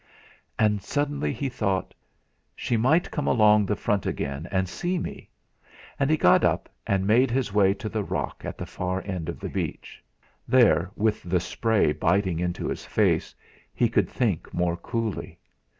And suddenly he thought: 'She might come along the front again and see me!' and he got up and made his way to the rock at the far end of the beach. There, with the spray biting into his face, he could think more coolly.